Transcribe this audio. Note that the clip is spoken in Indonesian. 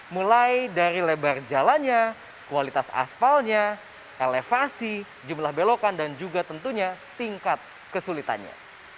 mulai dari lebar jalannya kualitas asfalnya elevasi jumlah belokan dan juga tentunya tingkat kesulitannya